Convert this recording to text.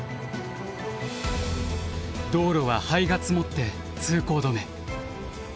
道路は灰が積もって通行止め。